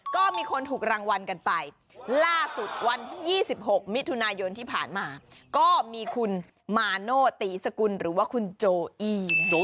ก็มีคนถูกรางวัลกันไปล่าสุดวันที่๒๖มิถุนายนที่ผ่านมาก็มีคุณมาโนตีสกุลหรือว่าคุณโจอี